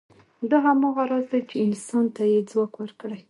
دا هماغه راز دی، چې انسان ته یې ځواک ورکړی.